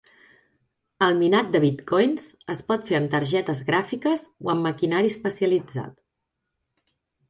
El minat de bitcoins es pot fer amb targetes gràfiques o amb maquinari especialitzat.